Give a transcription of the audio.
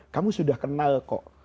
kamu sudah kenal kok